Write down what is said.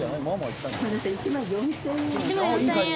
１万４，０００円。